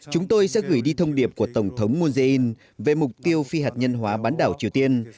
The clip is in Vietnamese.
chúng tôi sẽ gửi đi thông điệp của tổng thống moon jae in về mục tiêu phi hạt nhân hóa bán đảo triều tiên